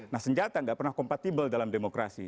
nah senjata gak pernah kompatibel dalam demokrasi